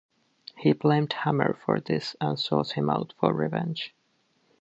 He blamed Hammer for this, and sought him out for revenge.